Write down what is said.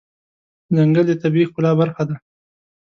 ځنګل د طبیعي ښکلا برخه ده.